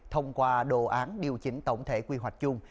thông qua đồ án điều chỉnh tổng thể quy hoạch chung